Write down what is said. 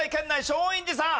松陰寺さん。